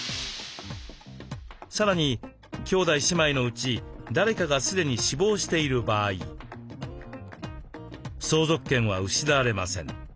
さらに兄弟姉妹のうち誰かが既に死亡している場合相続権は失われません。